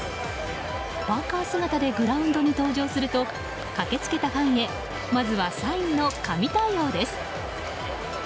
パーカ姿でグラウンドに登場すると駆けつけたファンへまずはサインの神対応です。